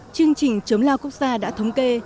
chương trình chớm lao quốc gia đã thống kê